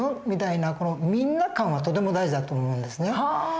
みたいなみんな感はとても大事だと思うんですね。